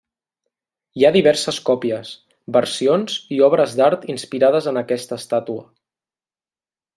Hi ha diverses còpies, versions i obres d'art inspirades en aquesta estàtua.